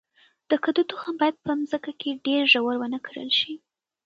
د کدو تخم باید په مځکه کې ډیر ژور ونه کرل شي.